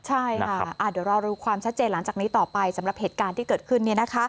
ใช่ค่ะเดี๋ยวรอดูความชัดเจนหลังจากนี้ต่อไปสำหรับเหตุการณ์ที่เกิดขึ้น